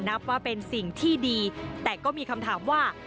นับว่าเป็นสิ่งที่ดีแต่ก็มีคำถามว่า